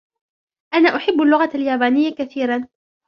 أنا أحب اللغة اليابانية كثيراً.